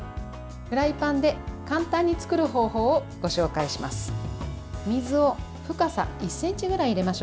フライパンで簡単に作る方法をご紹介します。